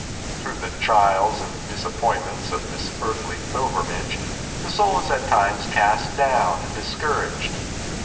Through the trials and disappointments of this earthly pilgrimage, the soul is at times cast down and discouraged.